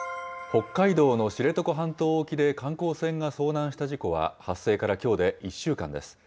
北海道の知床半島沖で観光船が遭難した事故は、発生からきょうで１週間です。